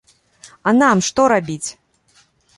А нам што рабіць?